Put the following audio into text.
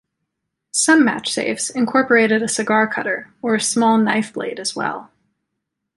Some match safes incorporated a cigar cutter or a small knife blade as well.